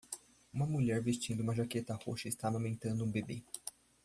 Uma mulher vestindo uma jaqueta roxa está amamentando um bebê.